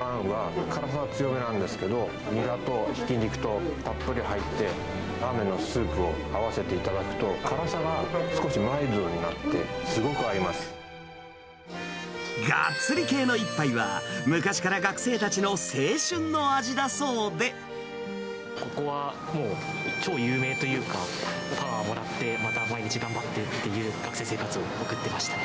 あんは、辛さは強めなんですけど、ニラとひき肉とたっぷり入って、ラーメンのスープと合わせて頂くと、辛さが少しマイルドになって、がっつり系の一杯は、昔からここはもう、超有名というか、パワーもらって、また毎日頑張ってっていう学生生活を送ってました。